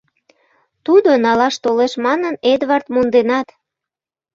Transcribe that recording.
Тудо налаш толеш манын, Эдвард монденат.